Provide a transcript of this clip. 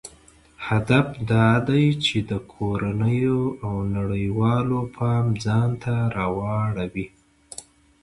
هدف دا دی چې د کورنیو او نړیوالو پام ځانته راواړوي.